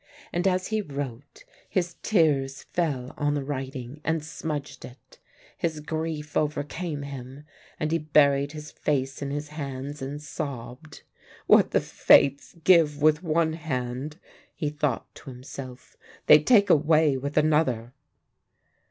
And as he wrote his tears fell on the writing and smudged it. His grief overcame him, and he buried his face in his hands and sobbed. "What the Fates give with one hand," he thought to himself, "they take away with another!"